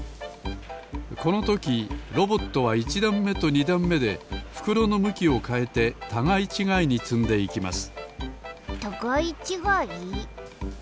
このときロボットは１だんめと２だんめでふくろのむきをかえてたがいちがいにつんでいきますたがいちがい？